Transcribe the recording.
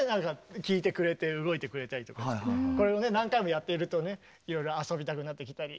これを何回もやってるとねいろいろ遊びたくなってきたり。